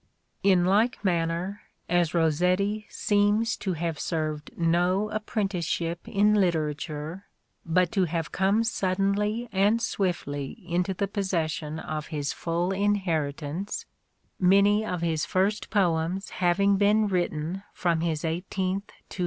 In like manner as Rossetti seems to have served no apprenticeship in literature, but to have come suddenly and swiftly into the posses sion of his full inheritance, " (many of his first poems having been written from his eighteenth to A DAY WITH ROSSETTI.